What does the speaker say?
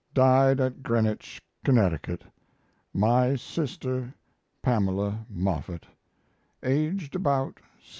Died at Greenwich, Connecticut, my sister, Pamela Moffett, aged about 73.